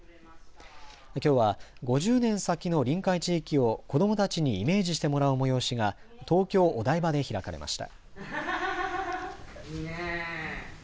きょうは５０年先の臨海地域を子どもたちにイメージしてもらう催しが東京お台場で開かれました。